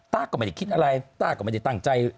้าก็ไม่ได้คิดอะไรต้าก็ไม่ได้ตั้งใจ